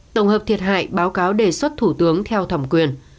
tổng hợp thiệt hại báo cáo đề xuất thủ tướng theo thẩm quyền